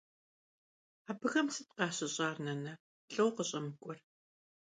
Abıxem sıt khaşış'ar, nane? Lh'o khış'emık'uaxer?